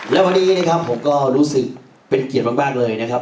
และพอดีผมก็รู้สึกเป็นเกียรติมากเลยนะครับ